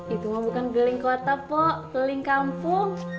itu mah bukan keliling kota po keliling kampung